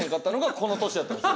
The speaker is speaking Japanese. この年やったんですよ。